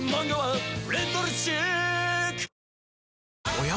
おや？